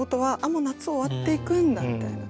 もう夏終わっていくんだみたいな。